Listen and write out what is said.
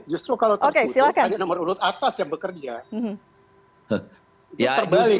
justru kalau tertutup hanya nomor urut atas yang bekerja